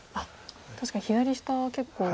確かに左下は結構。